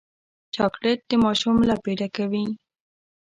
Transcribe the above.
چاکلېټ د ماشوم لپې ډکوي.